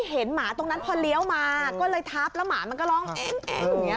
ก็เลยทับแล้วหมามันก็ร้องแอ๊งอย่างเงี้ย